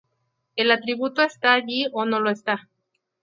El atributo está allí o no lo está.